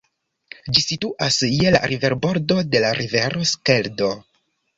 Ĝi situas je la riverbordo de la rivero Skeldo.